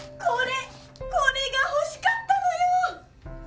これが欲しかったのよ！